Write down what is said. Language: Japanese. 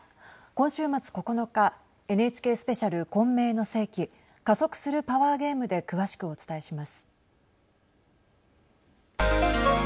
今週末９日ＮＨＫスペシャル混迷の世紀加速するパワーゲームで詳しくお伝えします。